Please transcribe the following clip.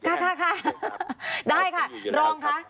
ค่ะได้ค่ะรองค่ะ